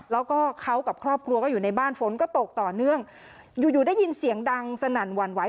แล้วก็เขากับครอบครัวก็อยู่ในบ้านฝนก็ตกต่อเนื่องอยู่อยู่ได้ยินเสียงดังสนั่นหวั่นไหว